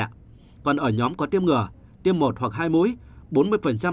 còn ở nhóm có tiêm ngỡ tiêm một hoặc hai mũi bốn mươi bệnh nhân